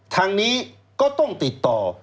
ทางนี้ก็ต้องติดต่อ